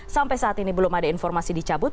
sampai saat ini belum ada informasi dicabut